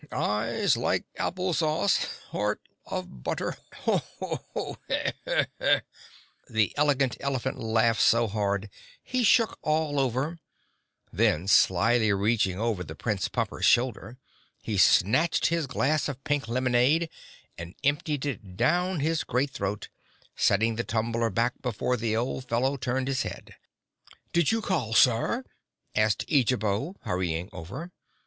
"Eyes like apple sauce—heart of butter! Ho ho, kerrumph!" The Elegant Elephant laughed so hard he shook all over; then slyly reaching over the Prime Pumper's shoulder, he snatched his glass of pink lemonade and emptied it down his great throat, setting the tumbler back before the old fellow turned his head. "Did you call, Sir?" asked Eejabo, hurrying over.